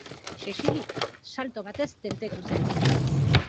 Xexili salto batez tentetu zen.